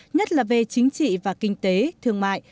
nhất là về chính trị và kinh tế thương mại